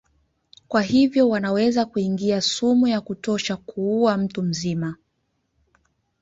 Kwa hivyo wanaweza kuingiza sumu ya kutosha kuua mtu mzima.